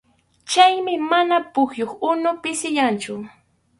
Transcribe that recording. Chaymi mana pukyup unun pisiyanchu.